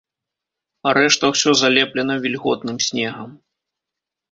Рэшта ўсё залеплена вільготным снегам.